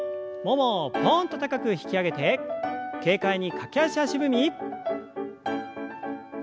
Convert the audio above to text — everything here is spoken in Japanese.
ももをぽんと高く引き上げて軽快に駆け足足踏み。